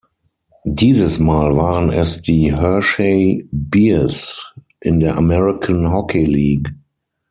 Dieses Mal waren es die Hershey Bears in der American Hockey League.